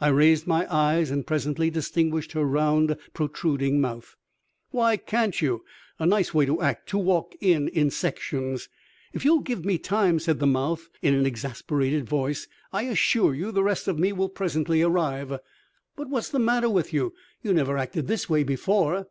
I raised my eyes and presently distinguished her round protruding mouth. "Why can't you? A nice way to act, to walk in sections " "If you'll give me time," said the mouth in an exasperated voice, "I assure you the rest of me will presently arrive." "But what's the matter with you? You never acted this way before."